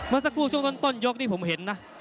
มาสักครู่ช่วงต้นต้นยกนี่ผมเห็นนะ